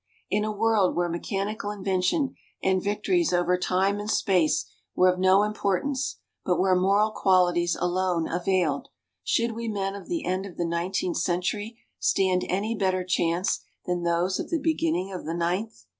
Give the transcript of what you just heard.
In a world where mechanical invention and victories over time and space were of no importance, but where moral qualities alone availed, should we men of the end of the nineteenth century stand any better chance than those of the beginning of the ninth?